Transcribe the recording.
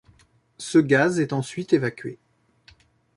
Ce gaz est ensuite évacué.